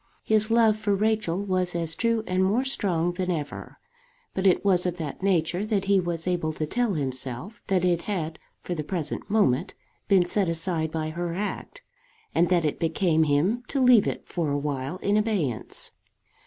His love for Rachel was as true and more strong than ever; but it was of that nature that he was able to tell himself that it had for the present moment been set aside by her act, and that it became him to leave it for a while in abeyance.